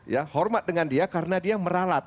ya hormat dengan dia karena dia meralat